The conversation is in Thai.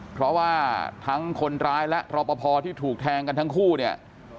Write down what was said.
เพราะว่าทั้งคนร้ายและรอปภที่ถูกแทงกันทั้งคู่เนี่ย